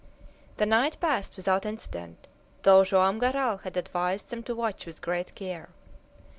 The night passed without incident, though Joam Garral had advised them to watch with great care.